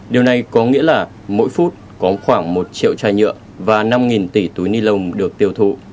điều này có nghĩa là mỗi phút có khoảng một triệu chai nhựa và năm tỷ túi ni lông được tiêu thụ